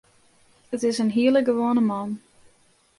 It is in hiele gewoane man.